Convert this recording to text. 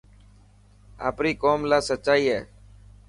آپري قوم لاءِ سچائي هئي.